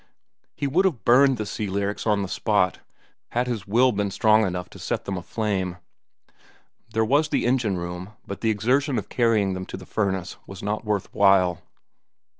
He would have burned the "Sea Lyrics" on the spot, had his will been strong enough to set them aflame. There was the engine room, but the exertion of carrying them to the furnace was not worth while.